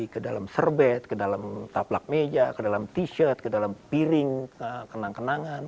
ke dalam serbet ke dalam taplak meja ke dalam t shirt ke dalam piring kenang kenangan